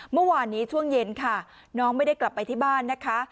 เมื่อวานนี้ช่วงเย็นค่ะน้องไม่ได้กลับไปที่บ้านนะคะ